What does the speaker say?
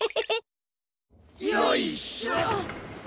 よいしょ。